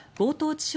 致傷